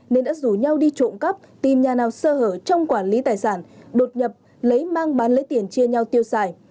nên đã rủ nhau đi trộm cắp tìm nhà nào sơ hở trong quản lý tài sản đột nhập lấy mang bán lấy tiền chia nhau tiêu xài